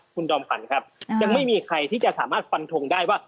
คุณจอมขวัญครับยังไม่มีใครที่จะสามารถฟันทงได้ว่า